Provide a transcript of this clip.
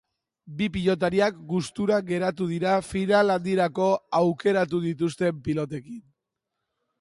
Bi pilotariak gustura geratu dira final handirako aukeratu dituzten pilotekin.